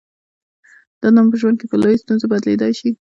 دنده مو په ژوند کې په لویې ستونزه بدلېدای شي.